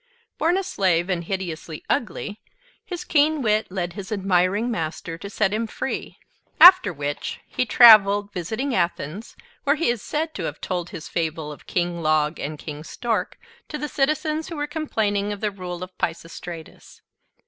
Born a slave and hideously ugly, his keen wit led his admiring master to set him free; after which he traveled, visiting Athens, where he is said to have told his fable of King Log and King Stork to the citizens who were complaining of the rule of Pisistratus.